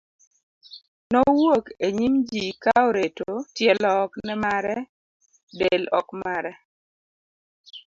nowuok e nyim ji ka oreto, tielo ok ne mare, del ok mare